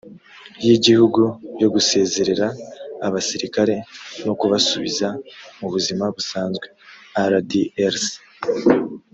y igihugu yo gusezerera abasirikare no kubasubiza mu buzima busanzwe rdrc